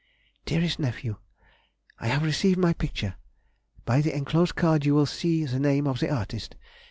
_ DEAREST NEPHEW,— I have received my picture; by the enclosed card you will see the name of the artist....